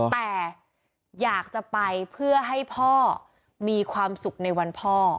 แต่อยากจะไปเพื่อให้พ่อมีความสุขในวันพ่อ